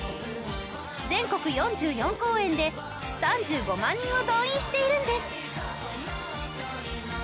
全国４４公演で３５万人を動員しているんです。